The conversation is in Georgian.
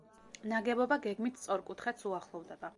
ნაგებობა გეგმით სწორკუთხედს უახლოვდება.